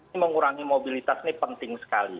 ini mengurangi mobilitas ini penting sekali